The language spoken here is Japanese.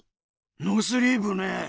ノースリーブね。